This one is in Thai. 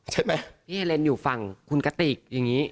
ใช่ไหมพี่เลินอยู่ฝั่งคุณกติกอย่างนี้